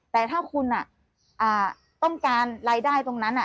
แต่ถ้าคุณต้องการรายได้ตรงนั้น